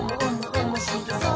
おもしろそう！」